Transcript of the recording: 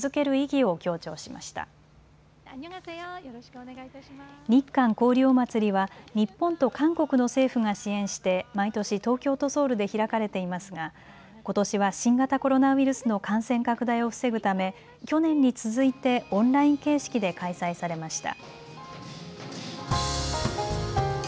おまつりは日本と韓国の政府が支援して毎年東京とソウルで開かれていますがことしは新型コロナウイルスの感染拡大を防ぐため去年に続いてオンライン形式で開催されました。